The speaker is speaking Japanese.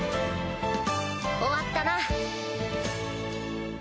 終わったな。